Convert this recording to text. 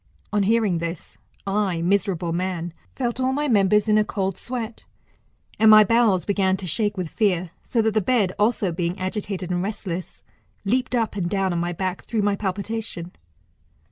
On hearing this, I, miserable man, felt all my members in a cold sweat, and my bowels began to shake with fear; so that the bed also being agitated and restless, leaped up and down on my back through my palpitation.